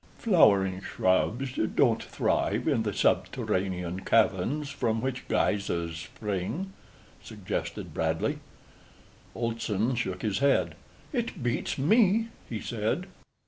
"Flowering shrubs don't thrive in the subterranean caverns from which geysers spring," suggested Bradley. Olson shook his head. "It beats me," he said.